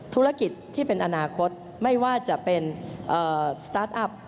ธุรกิจที่เป็นอนาคตไม่ว่าจะเป็นสตาร์ทอัพ